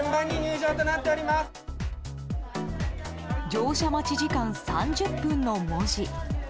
「乗車待ち時間３０分」の文字。